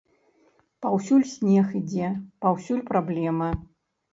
Паўсюль снег ідзе, паўсюль праблема.